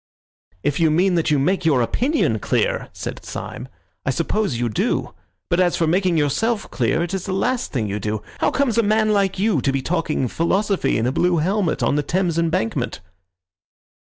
"If you mean that you make your opinion clear," said Syme, "I suppose you do. But as for making yourself clear, it is the last thing you do. How comes a man like you to be talking philosophy in a blue helmet on the Thames embankment?"